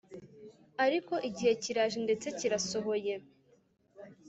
” Ariko igihe kiraje ndetse kirasohoye